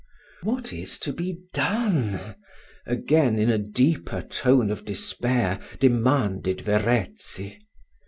"What is to be done?" again, in a deeper tone of despair, demanded Verezzi.